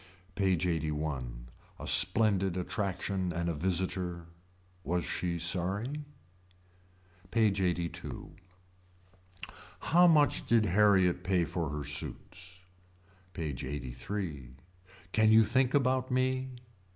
PAGE LXXXI. A splendid attraction and a visitor. Was she sorry. PAGE LXXXII. How much did Harriet pay for her suits. PAGE LXXXIII. Can you think about me.